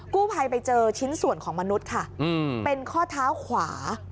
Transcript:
กู้ภัยไปเจอชิ้นส่วนของมนุษย์ค่ะเป็นข้อเท้าขวา